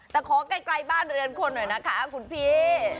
แต่ขอไกลบ้านเรือนคนหน่อยนะคะคุณพี่